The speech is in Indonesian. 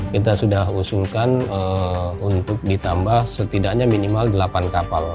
kita sudah usulkan untuk ditambah setidaknya minimal delapan kapal